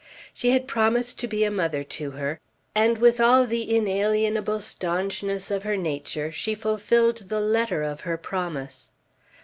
She had promised to be a mother to her; and with all the inalienable stanchness of her nature she fulfilled the letter of her promise.